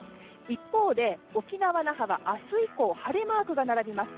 一方で沖縄・那覇は明日以降晴れマークが並びます。